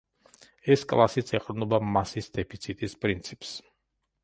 ეს კლასიც ეყრდნობა მასის დეფიციტის პრინციპს.